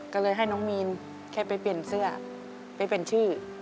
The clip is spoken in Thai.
ก็เลยให้น้องมีนแค่ไปเปลี่ยนเสื้อไปเปลี่ยนชื่อ